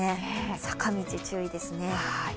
坂道注意ですね。